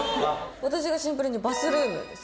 私はシンプルにバスルームです。